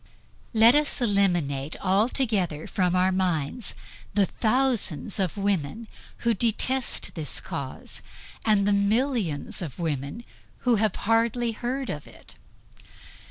Let us eliminate altogether from our minds the thousands of women who detest this cause, and the millions of women who have hardly heard of it.